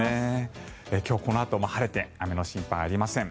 今日このあとも晴れて雨の心配はありません。